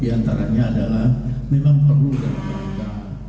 diantaranya adalah memang perlu dalam mereka